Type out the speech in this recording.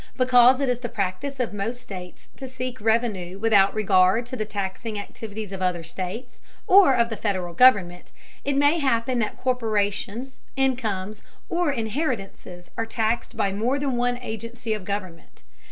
Because it is the practice of most states to seek revenue without regard to the taxing activities of other states, or of the Federal government, it may happen that corporations, incomes, or inheritances are taxed by more than one agency of government.